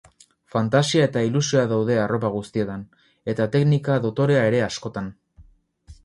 Fantasia eta ilusioa daude arropa guztietan, eta teknika dotorea ere askotan.